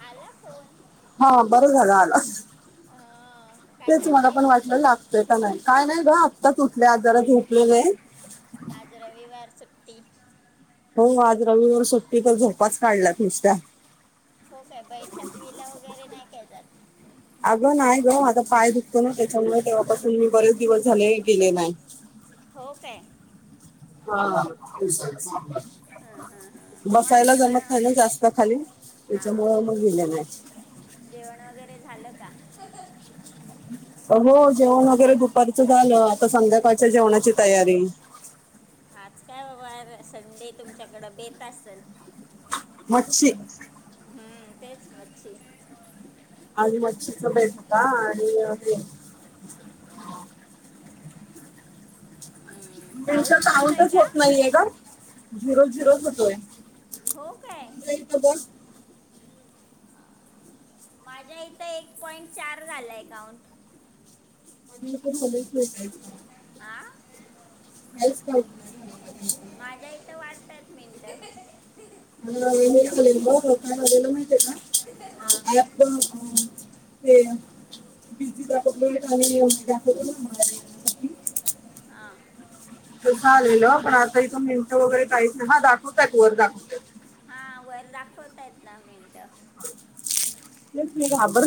आला फोन हा बरं झालं आलास. अं, काय तेच मला करते पण वाटल लागतय का नाही काय नाही? ग आत्ताच उठल्या आजार झोपल्या होय? आज रविवार सुट्टी. हो आज रविवार सुट्टी तर झोपाच काढल्यात नुसत्या. हो काय बैठक विला वगैरे नाही काय जात? अगं नाही ग माझा पाय दुखतो ना, त्याच्यामुळे तेव्हापासून मी बरेच दिवस झाले गेले नाही. हो काय? हा ते हं, हं, हं. मग बसायला जेवण जमत नाही ना वगैरे जास्त खाली हां त्याच्यामुळं मग बरोबर गेले नाही. जेवण वगैरे झालं का? हो जेवण वगैरे दुपारीचं झालं. आता संध्याकाळच्या जेवणाची तयारी. आज काय बाबार संडे तुमच्याकडं बेत असल. मची. तेच मछी. आधी मच शिकमत का आणि हे हं, त्यांच पाऊस पडतोय काउंटच का होत नाहीे का झिरो-झिरो होतोय. हो काय [unintelligible] माझ्या इथं एक पॉइंट चार झालं अकाउंट [unintelligible] आ [unintelligible] बॅडमिंटन. [unintelligible] हां [unintelligible] [unintelligible] हा, तर झालेलं पण आता इथून नेमटं वगैरे काहीच हा दाखवतय वर दाखवत. हा वर दाखवताय आहेत ना मीन तेच म आबर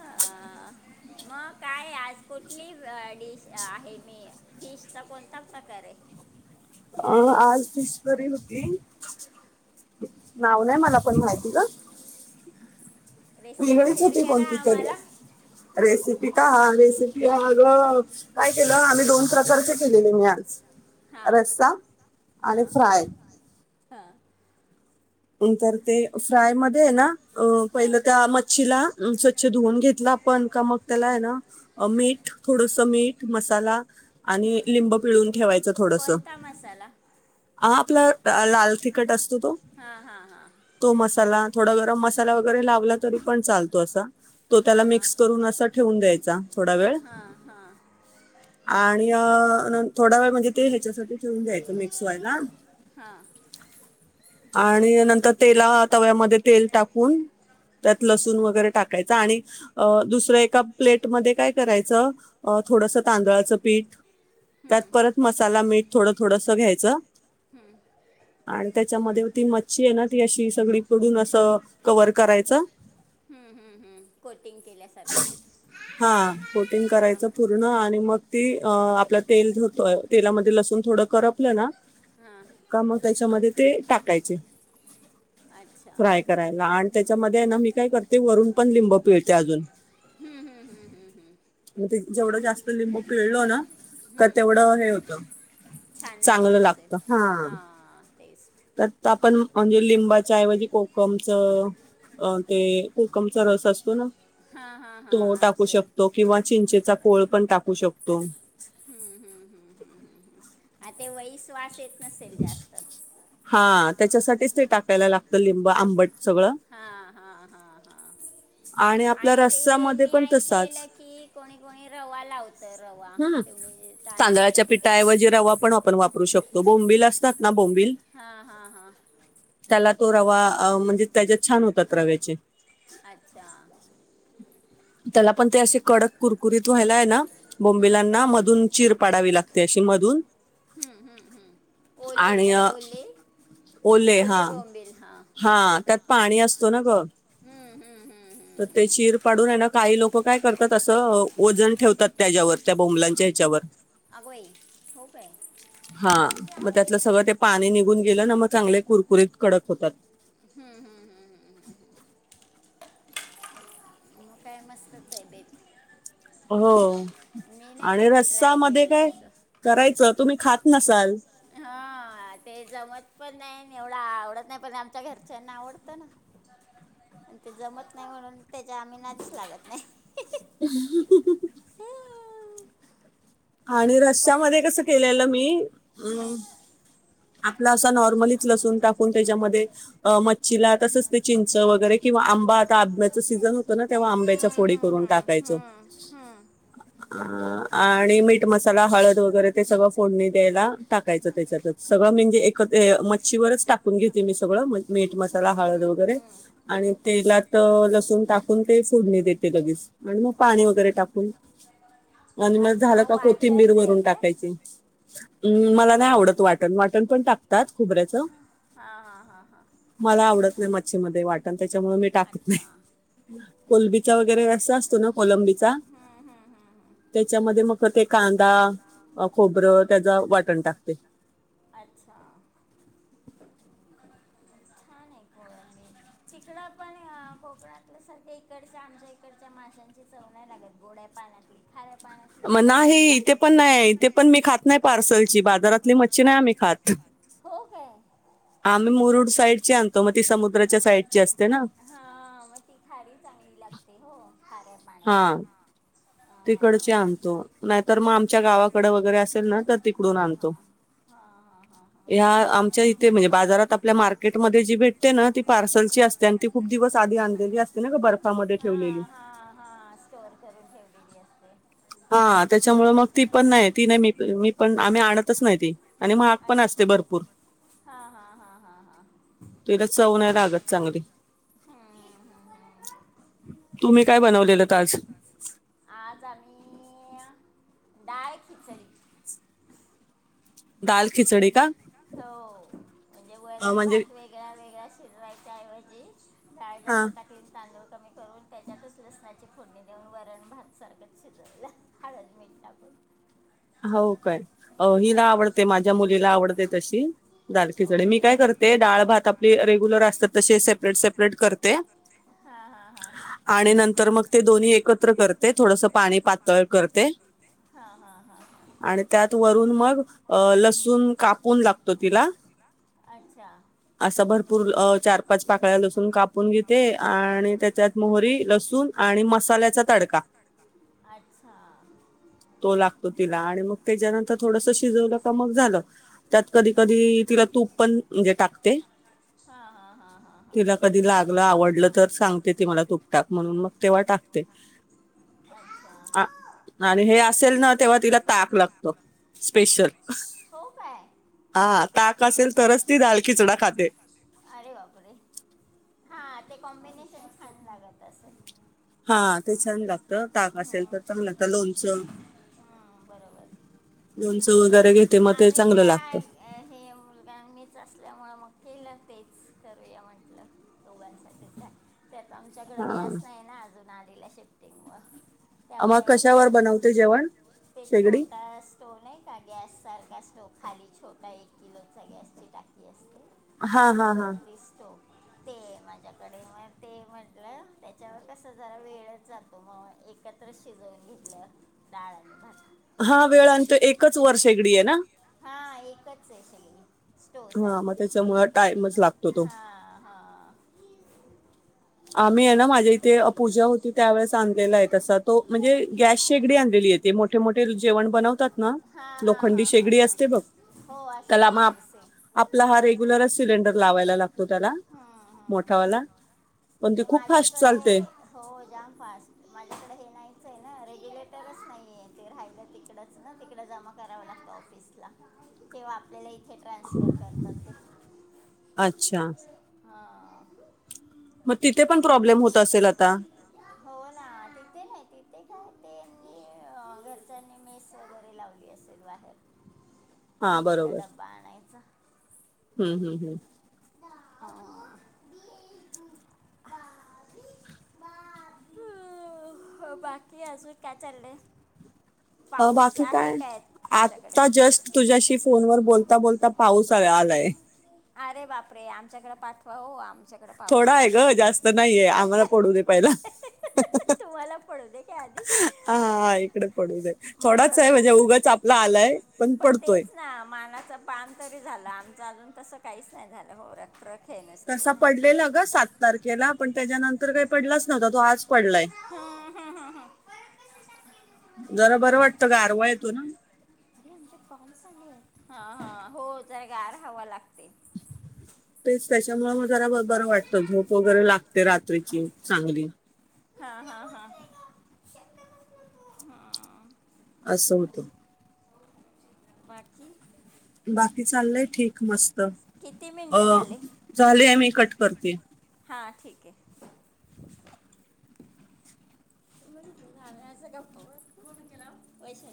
अं, मग काय आज कुठली डिश आहे मी फिशचा कोणता प्रकार आहे. अ आज फिशवररी होती. नाव नाही मला पण माहिती ग रेसिपी मघच शेअर होते करा कोणतीरी आम्हाला रेसिप का रे अगं काय केलं आम्ही दोन प्रकारचे केलेले मी आज. हां रस्सा आणि फ्राय. हा. नंतर ते फ्राय मध्ये आहे ना अ हां पहिलं त्या मच्छीला स्वच्छ धुवून घेतला आपण का मग त्याला हम्म, आहे ना मीठ थोडस मीठ मसाला आणि हम्म. लिंब पिळून ठेवायचं थोडस कोणता मसाला हा आपला लाल तिखट असतो तो हां हां हां तो मसाला. थोडा गरम मसाला वगैरे लावला तरी पण चालतो असा तो त्याला हां हां मिक्स करून असा ठेवून द्यायचा थोडा वेळ. हां हां आणि थोडा वेळ म्हणजे ते ह्याच्यासाठी ठेवून द्यायचं मिक्स व्हायला. हां आणि नंतर तेला तव्यामध्ये तेल टाकून त्यात लसूून वगैरे टाकायच आणि अ दुसरं एका प्लेटमध्ये काय करायचं थोडसं तांदळाचं पीठ त्यात हम्म, परत मसाला मीठ थोड थोडस घ्यायच. त्याच्यामध्ये ती मच्छी आहे ना ती अशी सगळी पडून अस कवर करायचं. हम्म-हम्म-हम्म कोटिंग केल्यासारखं. हा कोटिंग हां करायचं पूर्ण आणि मग ती आपला तेल ठेवतोय तेलामध्ये लसूण थोडं करपलं ना हां का म त्याच्यामध्ये ते टाकायचे. अच्छा फ्राय करायला आणि त्याच्यामध्ये आहे ना मी काय करते वरून पण लिंब पिळते अजून. मग ति जेवढं जास्त लिंबू पिळलो ना तर तेवढं हे होतं. छान चांगलं लागत असेल लागतं हा टेस्ट. आपण म्हणजे लिंबाच्या ऐवजी कोकमच अ ते कोकमचा रस असतो ना. हां हां हां तो टाकू आमसूल शकतो किंवा चिंचेचा कोळ पण टाकू शकतो. हम्म हम्म हम्म हम्म हम्म हम्म. आ ते लईच वास श्वास येत नसेल जास्त. हा त्याच्यासाठीच ते टाकायला लागत लिंब आंबट सगळं. हा हा हा हा आपल्या आणि ते रस्सामध्ये मी पण तसाच ऐकलेलं की कोणी कोणी रवा लावत. ह तांदळाच्या पीठ पिठाऐवजी रवा पण आपण वापरू शकतो बोंबिल असतात. ना बोबील हा हा हा त्याला तो रवा म्हणजे त्याच्यात छान होतात. रव्याचे अच्छा. त्याला पण ते असे कडक कुरकुरीत व्हायलाय ना बोंबिलांना मधून चीर पाडावी लागते अशी. मधून. हम्म हम्म. हम्म ओले आणि काय ओले ओले हा हा त्या पाणी असतो ना ग हम्म हम्म हम्म तर हम्म ते हम्म चीर पाडून आहे ना. काही लोक काय करतात असं ओजन ठेवतात त्याच्यावर त्या बोंबलांच्या ह्याच्यावर. अगं बाई हो काय हा मग त्यातलं सगळं ते पाणी नि निघून गेलं ना मग चांगले कुरकुरीत कडक होतात. हम्म हम्म हम्म हम्म हम्म हम. मग काय मस्त हाय बाई. हो आणि कधी रस्सा ट्राय मध्ये केलंय काय असं करायचं तुम्ही खात नसाल. हा. हा ते जमत पण नाही एवढं आवडत नाही पण आमच्या घरच्यांना आवडतं ना. आणि ते जमत नाही म्हणून त्याच्या आम्ही नादीच लागत नाही. [unintelligible] आणि रश्या पण मध्ये कसं केलेलं मी हम्म, अ आपला असा नॉर्मलीच लसून टाकून त्याच्यामध्ये मच्छीला तसच ते चिंच वगैरे किंवा आंबा आता आंब्याच सीझन होतो ना तेव्हा आंब्याच्या हम्म, फोडी हम्म, करून हम्म, टाकायचो. हम्म, हम्म. [inaudible] आणि मीठ मसाला हळद वगैरे ते सगळं फोडणी द्यायला टाकायचं त्याच्यात सगळं म्हणजे एकत्र ए मच्छीवरच टाकून घेते मी सगळ मीठ मसाला हळद वगैरे आणि तेलात लसूण टाकून ते फोडणी देते लगेच आणि मग पाणी वगैरे टाकून आणि मग अच्छा झालं का कोथिंबीर वाटण नाही वरून काय टाकायची. अं मला नाय आवडत वाटण वाटण पण टाकतात खोबऱ्याचं. हां हां हां हां मला आवडत नाही मच्छीमध्ये वाटण त्याच्यामुळ मी टाकत नाई. अच्छा कोलबीचा वगैरे रस्सा असतो ना कोलंबीचा त्याच्यामध्ये मग ते कांदा खोबरं त्याच वाटण टाकते. [inaudible] अच्छा [inaudible] तिकड पण कोकणातलं सारख्या इकडच्या आमच्या इकडच्या माशांच्या चव नाय लागत गोड्या पाण्यातली खा मग नाही इथे पण नाही इथे पण मी खात नाही पार्सलची बाजारातली मच्छी नाय आम्ही खात. हो काय आाम्ही मुरुड साईड ची आणतो मग ती समुद्राच्या साईडची असते ना. हा मग ती खारी चांगली लागते हो. खाऱ्या पाण्याची हा. हा तिकडची आणतो नाहीतर मग आमच्या गावाकड वगैरे असेल ना तर हा तिकडून हा हा आणतो. हा हा [unintelligible] ह्या आमच्या इथे म्हणजे बाजारात आपल्या मार्केटमध्ये जी भेटते ना ती पार्सलची असते आणि ती खूप दिवस सा आधी आणलेली असते ना ग बर्फामध्ये हा ठेवलेली? हा हा हा स्टोर करून ठेवलेली असते. हा त्याच्यामुळे मग ती पण नाही ती नाही मी मी पण आम्ही आणतच नाही ती आणि मगग पण अच्छा असते. भरपूर. भरपूर. हा हा हा. हा हा तीला चव नाय लागत चांगली. हम्म हम्म हम्म तुम्ही काय बनवलेलत आज? दाळ खिचडी. दाल खिचडी का? हो, म्हणजे अ वरण म्हणजे भात वेगळा वेगळा शिजवायच्या ऐवजी डाळ हा जास्त टाकलीन तांदूळ [unintelligible] [inaudible] फूडनी देऊन वरण भात सारखं शिजवला हळद मिट टाकून. हो काय हिला हो. आवडते माझ्या मुलीला आवडते तशी दाल खिचडी मी काय करते, डाळ भात आपली रेग्युलर असतात तसे सेपरेट सेपरेट करते हां हां हां [unintelligible] [inaudible] आणि नंतर मग ते दोन्ही एकत्र करते, थोडस पाणी पातळ करते. हा हा. आणि त्यात वरून मग, लसूण कापून लागत तिला. अच्छा. [unintelligible] [inaudible] असं भरपूर चार पाच पाकळ्या लसूण कापून घेते, आणि त्याच्यात मोहरी लसूण आणि मसाल्याचा तडका. अच्छा. तो लागतो तिला, आणि मग त्याच्यानंतर थोडस शिजवलं का मग झालं. त्यात कधी कधी तिला तूप पण म्हणजे टाकते. हा. हा. ह. तिला कधी लागलं, आवडलं, तर सांगते ती मला, तुप टाक म्हणून मग तेव्हा टाकते. हां अच्छा अ आणि हे असेल ना तेव्हा तिला ताक लागत, स्पेशल हो काय हा, ताक असेल तरच ती डाळ खिचडा खाते. अरे बापरे, हा ते कॉम्बिनेशन छान लागत असेल. हा, ते छान लागत ताक असेल हं, तर चांगलं लागत, लोणचं. हं, लोणचं वगैरे घेते मग ते आम्ही चांगलं लागतं त्या हे [unintelligible] असल्यामुळे मग केलं तेच, करूया म्हटलं दोघांसाठी त्या त्यात आमच्याकडे हा गॅस नाही ना अजून आलेल्या, शिफ्टिंग व मग त्यामुळे कशावर बनवते जेवण ते शेगडी छोटा स्टोव नाही का गॅस सारखा तो खाली छोटा एक किलोचा गॅसची टाकी असते. हा. आणि हा. हा. वरती स्टोव ते आहे माझ्याकडे, मग ते म्हटलं त्याच्यावर कस जरा वेळच जातो, मग एकत्र शी शिजवून घेतलं डाळ आणि भात हा वेळानंत एकच वर्ष एगडी हे ना हा एकच आहे सगळी स्टो हा, मग सारखी त्याच्यामुळं टाइमच लागतो तो हा हा आम्ही आहे ना, माझ्या इथे पूजा होती त्यावेेळेस आणलेला आहे, तसा तो म्हणजे गॅस शेगडी आणलेली. मोठे मोठे जेवण बनवतात ना हा. हा. हा. लोखंडी हा. शेगडी हा. असते बघ हो, असते त्याला मग आप- असते आपला हा रेग्युलरच सिलेंडर लावायला लागतो त्याला हम्म, हम्म, हम्म. मोठावाला पण ती ते खूप फास्ट माझ्याकडे चालते हो जाम फास्ट, माझ्याकडे नाहीच ना रेग्युलेटरच नाहीये ते राहील तिकडच तिकड जमा कराव लागतं ऑफिसला तेव्हा आपल्याला ट्रान्सफर करतात. अच्छा हां मग तिथे पण प्रॉब्लेम होत असेल आता त्यांनी घरच्यांनी मेस वगैरे लावली असेल बाहेर मिरचा डब्बा आणायचा. हम् हम् हम् अं, बाकी अजू काय चालल अ बाकी काय आता जस्ट तुझ्याशी फोन व बोलता बोलता पाऊस आलाय अरे बापरे आमच्याकडे पाठवा आम थोडा आहे ग जास्त नाहीय आम्हाला पडू दे पहिला तुम्हाला पडू दे काय आधी हा इकड पडू दे मग थोडाच आहे भरपूर म्हणजे उगाच आपला आलाय पण पडतोय तेच ना मानाच पान तरी झालं आमच अजून कस काहीच नाही झालं हो हे नसते तसा उन्हाचे पडलेला ग सात तारखेला पण त्याच्यानंतर काही पडलाच नव्हता तो आज पडलाय हम्म, हम्म, हम्म. जरा बरं वाटत गारवा य तो ना हा हा हो तर गार हव लागते तेचपशामुळे म्ह जरा बर वाटत झोप वगैरे लागते रात्रीची चांगली हा हा हा हा असं होतं बाकी बाकी चाललंय ठीक मस्त किती अ मिनटं झाले झालेय मी कट करते हां ठीक आहे [unintelligible] झा गप्